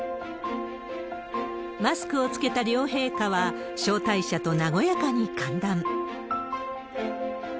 マスクを着けた両陛下は、招待者と和やかに歓談。